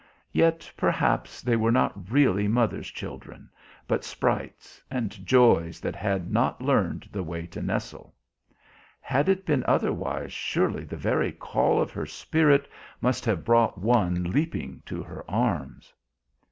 Yet perhaps they were not really mothers' children, but sprites and joys that had not learned the way to nestle. Had it been otherwise surely the very call of her spirit must have brought one leaping to her arms.